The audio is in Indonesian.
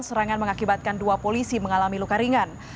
serangan mengakibatkan dua polisi mengalami luka ringan